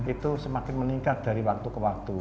itu semakin meningkat dari waktu ke waktu